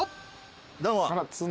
どうも。